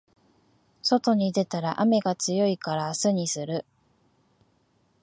外に出たら雨が強いから明日にする